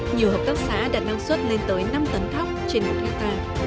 nhiều hợp tác xã đã năng suất lên tới năm tấn thóc trên nội thuyết ta